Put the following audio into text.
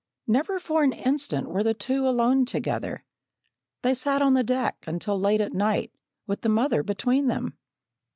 Never for an instant were the two alone together. They sat on the deck until late at night, with the mother between them.